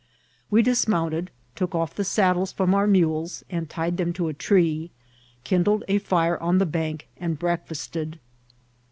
We dismounted, took off the saddles from our mules and tied them to a tree, kindled a fire on the bank, and break&sted.